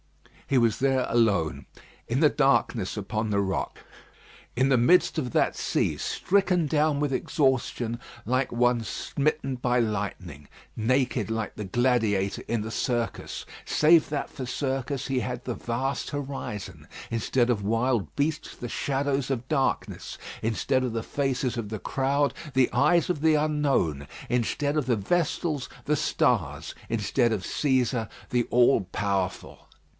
He was there alone, in the darkness upon the rock, in the midst of that sea, stricken down with exhaustion like one smitten by lightning, naked like the gladiator in the circus, save that for circus he had the vast horizon, instead of wild beasts the shadows of darkness, instead of the faces of the crowd the eyes of the Unknown, instead of the Vestals the stars, instead of Cæsar the All powerful.